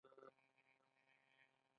د پښو د ستړیا لپاره ګرمې اوبه او مالګه وکاروئ